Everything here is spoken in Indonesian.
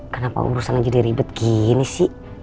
kenapa urusan aja diribet gini sih